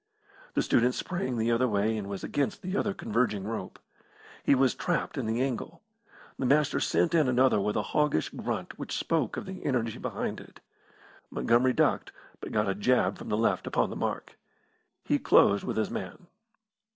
The student sprang the other way and was against the other converging rope. He was trapped in the angle. The Master sent in another with a hoggish grunt which spoke of the energy behind it. Montgomery ducked, but got a jab from the left upon the mark. He closed with his man.